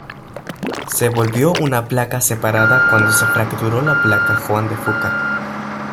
Se volvió una placa separada cuando se fracturó la placa Juan de Fuca.